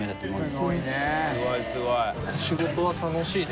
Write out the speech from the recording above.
すごいすごい。